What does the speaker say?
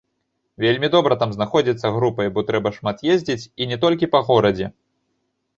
Вельмі добра там знаходзіцца групай, бо трэба шмат ездзіць, і не толькі па горадзе.